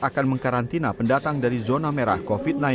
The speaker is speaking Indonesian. akan mengkarantina pendatang dari zona merah covid sembilan belas